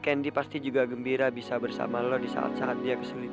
kendy pasti juga gembira bisa bersama lo di saat saat dia kesulitan